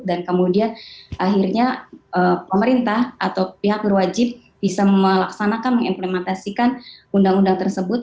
dan kemudian akhirnya pemerintah atau pihak berwajib bisa melaksanakan mengimplementasikan undang undang tersebut